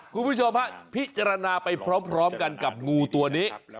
คุณผู้ชมฮะพิจารณาไปพร้อมกันกับงูตัวนี้